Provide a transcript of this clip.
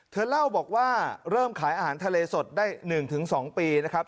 เธอเล่าบอกว่าเริ่มขายอาหารทะเลสดได้๑๒ปีนะครับ